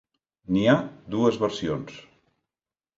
N'hi ha dues versions.